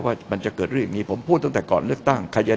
ว่ามันจะเกิดเรื่องนี้ผมพูดตั้งแต่ก่อนเลือกตั้งใครยันได้